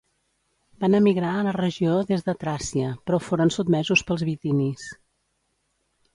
Van emigrar a la regió des de Tràcia, però foren sotmesos pels bitinis.